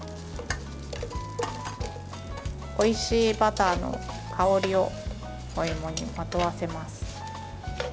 おいしいバターの香りをお芋にまとわせます。